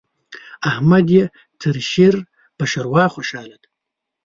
احمد يې تر شير په شېروا خوشاله دی.